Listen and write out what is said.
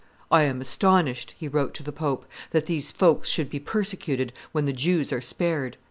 "I am astonished," he wrote to the pope, "that these folks should be persecuted when the Jews are spared."